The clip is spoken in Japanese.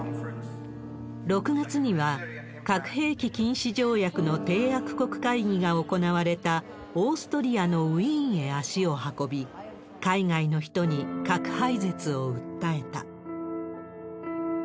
６月には、核兵器禁止条約の締約国会議が行われたオーストリアのウィーンへ足を運び、海外の人に核廃絶を訴えた。